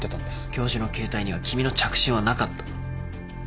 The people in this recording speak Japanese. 教授の携帯には君の着信はなかった。